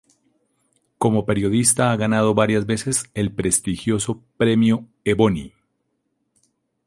Como periodista ha ganado varias veces el prestigioso premio Ebony.